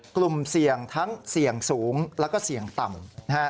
กลุ่มเสี่ยงทั้งเสี่ยงสูงแล้วก็เสี่ยงต่ำ